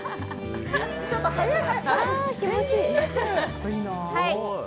ちょっと早い！